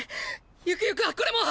ゆくゆくはこれも。